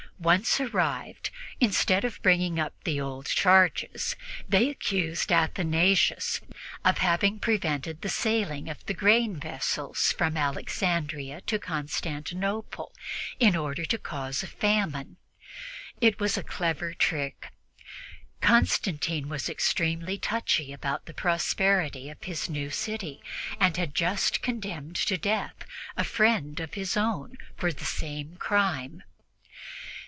Once arrived, instead of bringing up the old charges, they accused Athanasius of having prevented the sailing of the grain vessels from Alexandria to Constantinople in order to cause a famine. It was a clever trick. Constantine was extremely touchy about the prosperity of his new city and had just condemned to death a friend of his own for the same crime.